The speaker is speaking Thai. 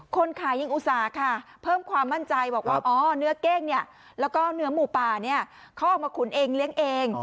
คนขายยังอุตส่าห์ค่ะเพิ่มความมั่นใจบอกว่าอ๋อเนื้อเก้งเนี่ยแล้วก็เนื้อหมูป่าเขาเอามาขุนเองเลี้ยงเอง